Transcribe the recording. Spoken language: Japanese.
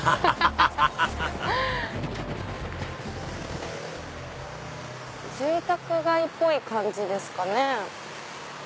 アハハハハ住宅街っぽい感じですかね。